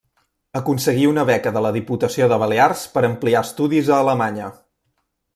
Aconseguí una beca de la Diputació de Balears per ampliar estudis a Alemanya.